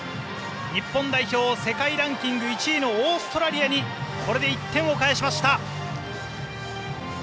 日本代表、世界ランキング１位のオーストラリアにこれで１点を返しました。